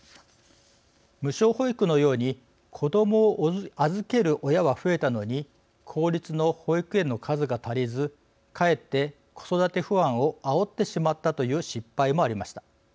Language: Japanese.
無償保育のように子どもを預ける親は増えたのに公立の保育園の数が足りずかえって子育て不安をあおってしまったという失敗もありました。